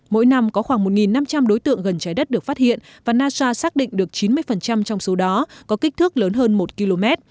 mỗi năm có khoảng một năm trăm linh đối tượng gần trái đất được phát hiện và nasa xác định được chín mươi trong số đó có kích thước lớn hơn một km